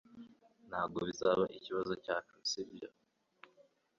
Ntabwo bizaba ikibazo cyacu, sibyo?